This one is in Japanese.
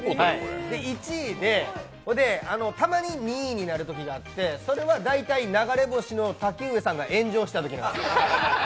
１位で、たまに２位になるときがあってそれは大体、流れ星さんが瀧上さんが炎上したときです。